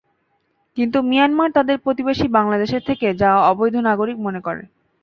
কিন্তু মিয়ানমার তাদের প্রতিবেশী বাংলাদেশের থেকে যাওয়া অবৈধ নাগরিক মনে করে।